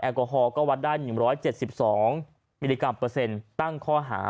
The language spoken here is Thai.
แอลกอฮอล์ก็วัดได้หนึ่งร้อยเจ็บสิบสองมิลลิกรัมเปอร์เซ็นต์ตั้งข้อหา